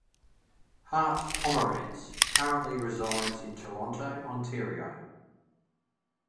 Hart Pomerantz currently resides in Toronto, Ontario.